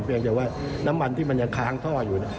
ยังแต่ว่าน้ำมันที่มันยังค้างท่ออยู่